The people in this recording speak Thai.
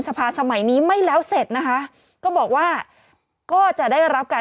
สภาสมัยนี้ไม่แล้วเสร็จนะคะก็บอกว่าก็จะได้รับการ